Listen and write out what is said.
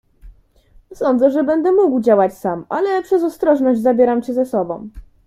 "Sądzę, że będę mógł działać sam, ale przez ostrożność zabieram cię ze sobą."